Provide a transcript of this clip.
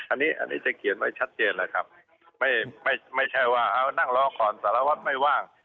อันนี้อันนี้จะเขียนไว้ชัดเจนแล้วครับไม่ใช่ว่าเอานั่งรอก่อนสารวัตรไม่ว่าง